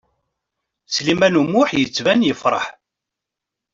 Sliman U Muḥ yettban yefṛeḥ.